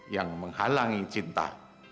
yang menghalangi cinta